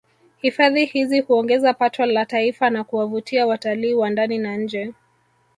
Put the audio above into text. Hifadhi hizi huongeza pato la Taifa na kuwavutia watalii wa ndani na nje